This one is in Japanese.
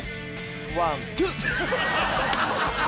ワンツー！